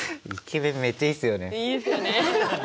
いいですよね。